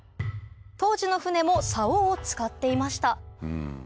当時の舟も棹を使っていました